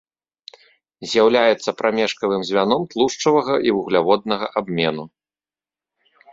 З'яўляецца прамежкавым звяном тлушчавага і вугляводнага абмену.